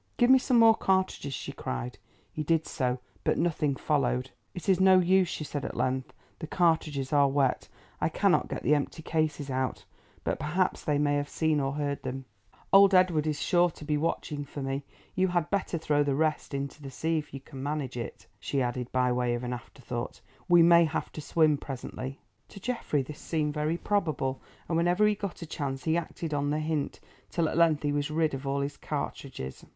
"Give me some more cartridges," she cried. He did so, but nothing followed. "It is no use," she said at length, "the cartridges are wet. I cannot get the empty cases out. But perhaps they may have seen or heard them. Old Edward is sure to be watching for me. You had better throw the rest into the sea if you can manage it," she added by way of an afterthought; "we may have to swim presently." To Geoffrey this seemed very probable, and whenever he got a chance he acted on the hint till at length he was rid of all his cartridges.